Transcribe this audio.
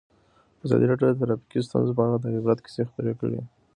ازادي راډیو د ټرافیکي ستونزې په اړه د عبرت کیسې خبر کړي.